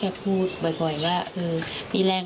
ฝ่ายกรเหตุ๗๖ฝ่ายมรณภาพกันแล้ว